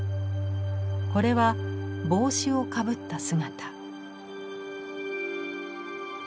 これは帽子をかぶった姿。